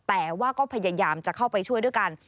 แต่ว่าก็พยายามจะเข้าไปช่วยด้วยกัน